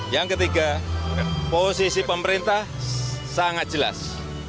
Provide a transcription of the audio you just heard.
yang ketiga posisi pemerintah sangat jelas